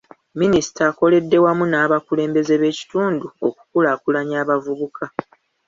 Minisita akoledde wamu n'abakulembeze b'ekitundu okukulaakulanya abavubuka.